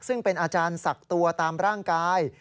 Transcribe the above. ซึ่งเป็นอาจารย์ศักดิ์ตัวตามร่างกาย